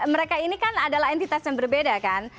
mereka ini kan adalah entitas yang berbeda kan